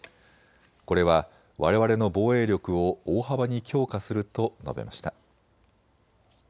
これはわれわれの防衛力を大幅に強化すると述べました。